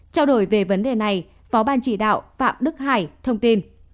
trao đổi về vấn đề này phó ban chỉ đạo phạm đức hải thông tin